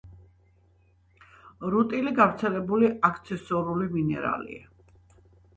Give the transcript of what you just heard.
რუტილი გავრცელებული აქცესორული მინერალია.